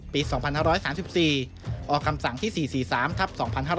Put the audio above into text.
ปี๒๕๓๔ออกคำสั่งที่๔๔๓ทับ๒๕๕๙